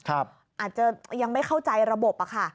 อาจจะยังไม่เข้าใจระบบอะค่ะ